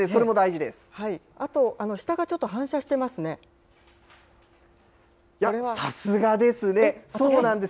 あと下がちょっと反射してまさすがですね、そうなんです。